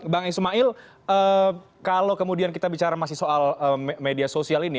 bang ismail kalau kemudian kita bicara masih soal media sosial ini